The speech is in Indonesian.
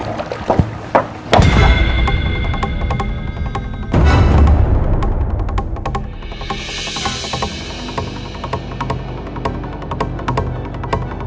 terus siapa ya